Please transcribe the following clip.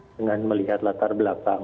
dengan melihat latar belakang